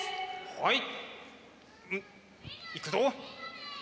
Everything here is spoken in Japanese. はい。